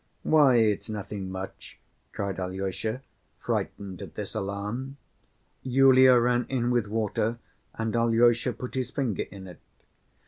"Why, it's nothing much," cried Alyosha, frightened at this alarm. Yulia ran in with water and Alyosha put his finger in it.